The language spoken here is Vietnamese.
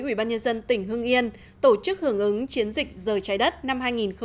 quỹ ban nhân dân tỉnh hương yên tổ chức hưởng ứng chiến dịch giờ trái đất năm hai nghìn một mươi bảy